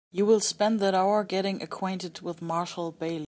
You will spend that hour getting acquainted with Marshall Bailey.